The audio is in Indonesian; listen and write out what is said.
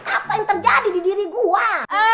apa yang terjadi di diri gue